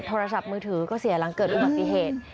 โทรศัพท์มือถือก็เสียหลังเกิดอุบัติเหตุ